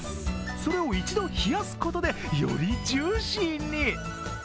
それを一度、冷やすことでよりジューシーに。